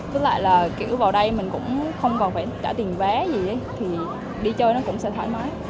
với lại là kiểu vào đây mình cũng không còn phải trả tiền vé gì thì đi chơi nó cũng sẽ thoải mái